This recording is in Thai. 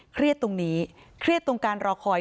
เครียดตรงนี้เครียดตรงการรอคอย